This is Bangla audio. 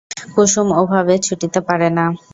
কুসুম ওভাবে ছুটিতে পারে না।